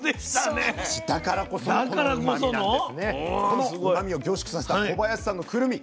このうまみを凝縮させた小林さんのくるみ